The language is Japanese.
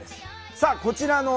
さあこちらの小説